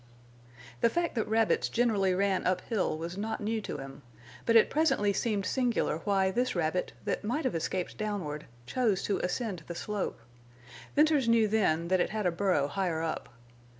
The fact that rabbits generally ran uphill was not new to him. But it presently seemed singular why this rabbit, that might have escaped downward, chose to ascend the slope. Venters knew then that it had a burrow higher up.